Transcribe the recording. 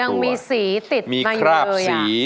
ยังมีสีติดมาเยอะอย่างมีคราบสี